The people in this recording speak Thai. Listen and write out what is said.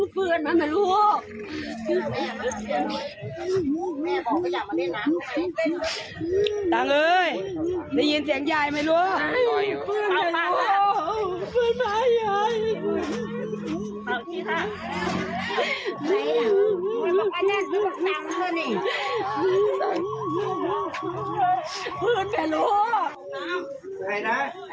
ก็ได้เลย